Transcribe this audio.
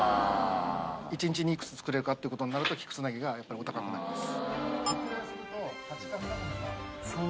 一日にいくつ作れるかってことになると菊繋ぎがやっぱりお高くなります。